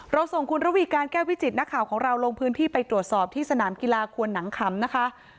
ส่งคุณระวีการแก้ววิจิตนักข่าวของเราลงพื้นที่ไปตรวจสอบที่สนามกีฬาควนหนังขำนะคะ